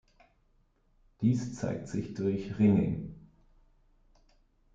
Dies zeigt sich durch Ringing.